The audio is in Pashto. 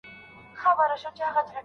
هند ته د قاچاق مخه ونیسئ.